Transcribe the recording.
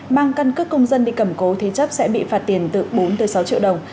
mang căn cước công dân đi cẩm cố thì chấp sẽ bị phạt tiền từ bốn sáu triệu đồng